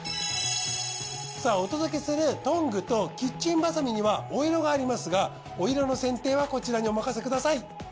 さあお届けするトングとキッチンバサミにはお色がありますがお色の選定はこちらにお任せください。